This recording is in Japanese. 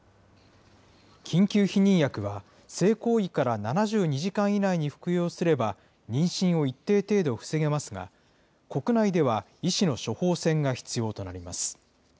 緊急避妊薬は、性行為から７２時間以内に服用すれば、妊娠を一定程度防げますが、国内では、医師の処方箋が必要となります。